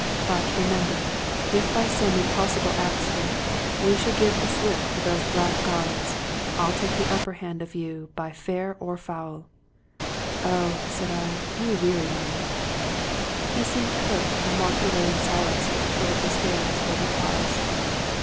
But, remember, if, by some impossible accident, we should give the slip to these black guards, I'll take the upper hand of you by fair or foul." " Oh," said I, " you weary me I " 197 Scotch Mystery Stories He seemed hurt, and walked away in silence to the foot of the stairs, where he paused.